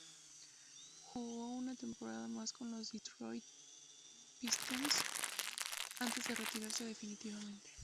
Jugó una temporada más con los Detroit Pistons antes de retirarse definitivamente.